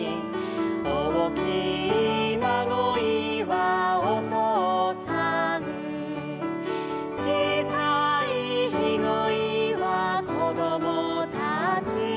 「おおきいまごいはおとうさん」「ちいさいひごいはこどもたち」